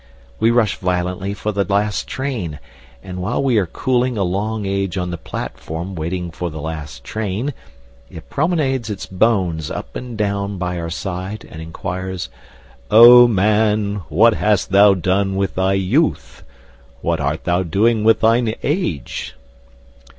We rush violently for the last train, and while we are cooling a long age on the platform waiting for the last train, it promenades its bones up and down by our side and inquires: "O man, what hast thou done with thy youth? What art thou doing with thine age?"